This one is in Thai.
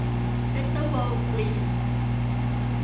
เบตเตอร์ เวิลด์ กรีน